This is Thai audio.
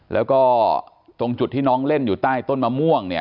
แล้วก็ตรงจุดที่น้องเล่นอยู่ใต้ต้นมะม่วงเนี่ย